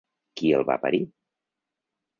Qui el va parir?